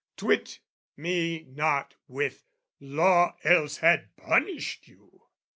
Twit me not with, "Law else had punished you!"